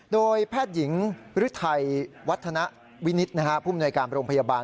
โดยแพทย์หญิงฤทัยวัฒนวินิตผู้มนวยการโรงพยาบาล